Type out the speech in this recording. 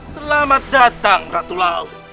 selamat datang ratu laut